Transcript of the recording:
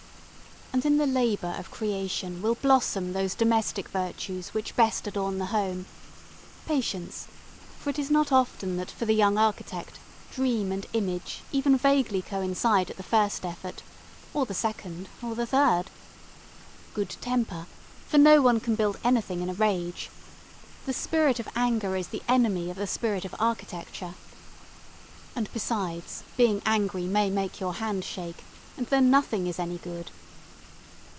And in the labour of creation will blossom those domestic virtues which best adorn the home; patience for it is not often that for the young architect dream and image even vaguely coincide at the first effort, or the second or the third; good temper, for no one can build anything in a rage. The spirit of anger is the enemy of the spirit of architecture. And besides, being angry may make your hand shake, and then nothing is any good.